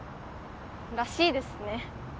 らしいですね